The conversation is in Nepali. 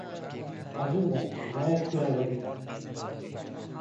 हजुर दाइ जायज कुरा गरिन ।